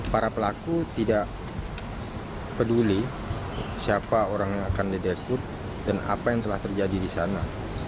para pelaku tidak peduli siapa orang yang akan didekrut dan apa yang telah terjadi di sana